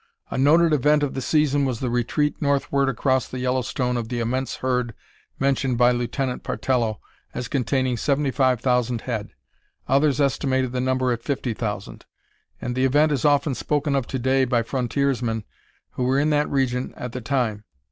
A noted event of the season was the retreat northward across the Yellowstone of the immense herd mentioned by Lieutenant Partello as containing seventy five thousand head; others estimated the number at fifty thousand; and the event is often spoken of to day by frontiersmen who were in that region at the time.